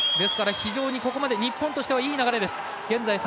非常にここまで日本としてはいい流れです。